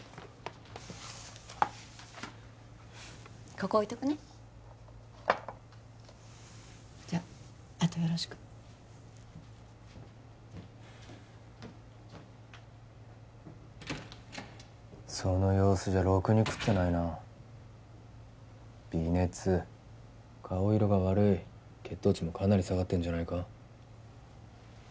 ここ置いとくねじゃああとはよろしくその様子じゃろくに食ってないな微熱顔色が悪い血糖値もかなり下がってるんじゃないか？